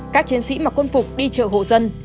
các chiến sĩ mặc quân phục đi chợ hộ dân